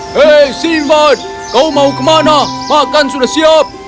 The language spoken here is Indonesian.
hei sinbad kau mau ke mana makan sudah siap